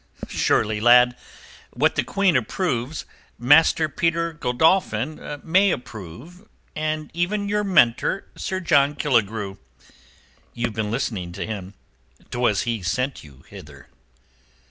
Surely, lad, what the Queen approves, Master Peter Godolphin may approve and even your mentor Sir John Killigrew. You've been listening to him. 'Twas he sent you hither."